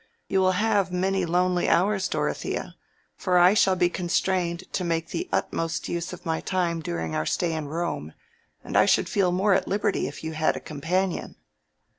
"You will have many lonely hours, Dorothea, for I shall be constrained to make the utmost use of my time during our stay in Rome, and I should feel more at liberty if you had a companion."